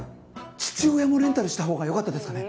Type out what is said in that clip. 父親もレンタルしたほうがよかったですかね？